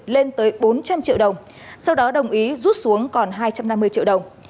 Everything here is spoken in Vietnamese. lên tới bốn trăm linh triệu đồng sau đó đồng ý rút xuống còn hai trăm năm mươi triệu đồng